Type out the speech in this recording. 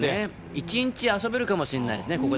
一日遊べるかもしれないですよね。